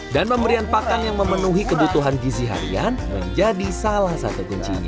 dan pemberian pakang yang memenuhi kebutuhan gizi harian menjadi salah satu kuncinya